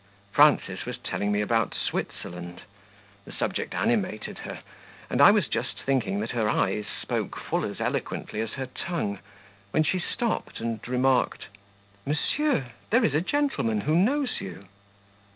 Frances was telling me about Switzerland; the subject animated her; and I was just thinking that her eyes spoke full as eloquently as her tongue, when she stopped and remarked "Monsieur, there is a gentleman who knows you."